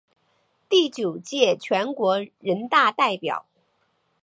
第九届全国人大代表。